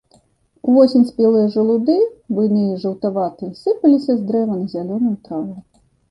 Увосень спелыя жалуды, буйныя і жаўтаватыя, сыпаліся з дрэва на зялёную траву.